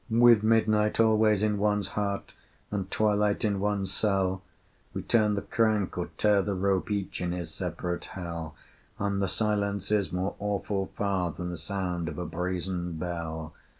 With midnight always in one's heart, And twilight in one's cell, We turn the crank, or tear the rope, Each in his separate Hell, And the silence is more awful far Than the sound of a brazen bell.